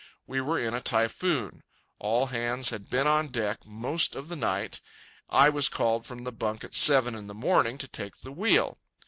We were in a typhoon. All hands had been on deck most of the night. I was called from my bunk at seven in the morning to take the wheel.